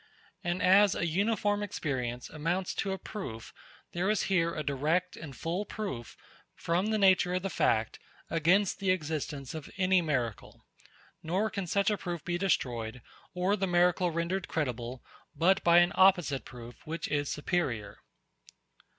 And as a uniform experience amounts to a proof, there is here a direct and full proof, from the nature of the fact, against the existence of any miracle; nor can such a proof be destroyed, or the miracle rendered credible, but by an opposite proof, which is superior.